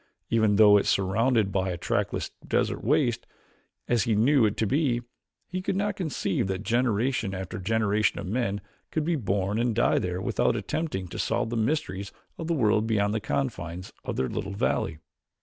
Even though it was surrounded by a trackless desert waste, as he knew it to be, he could not conceive that generation after generation of men could be born and die there without attempting to solve the mysteries of the world beyond the confines of their little valley.